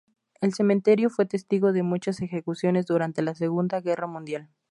El cementerio fue testigo de muchas ejecuciones durante la Segunda Guerra Mundial.